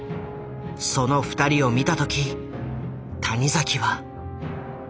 その二人を見た時谷崎は。